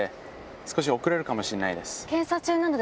少し遅れるかもしれないです。